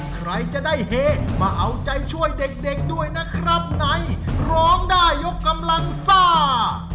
ใครจะได้เฮมาเอาใจช่วยเด็กด้วยนะครับในร้องได้ยกกำลังซ่า